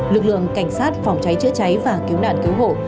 lực lượng cảnh sát phòng cháy chữa cháy và cứu nạn cứu hộ